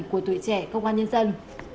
của tuổi trẻ công an nhân dân